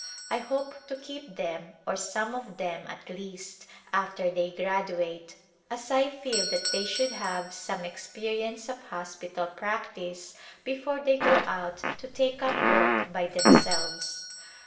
I hope to keep them, or some of them, at least, after they graduate, as I feel that they should have some experience of hospital practice be fore they go out to take up work by themselves.